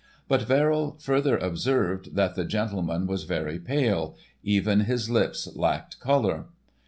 But Verrill further observed that the gentleman was very pale, even his lips lacked colour.